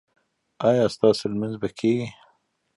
ایا ستاسو لمونځ به کیږي؟